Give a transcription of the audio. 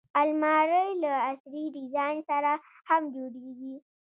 الماري له عصري ډیزاین سره هم جوړیږي